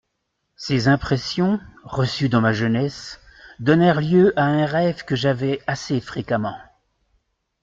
Ces impressions, reçues dans ma jeunesse, donnèrent lieu à un rêve que j'avais assez fréquemment.